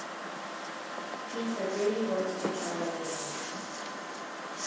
Peter really wants to try again.